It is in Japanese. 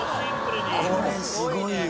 これすごいよ。